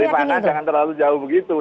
rifana jangan terlalu jauh begitu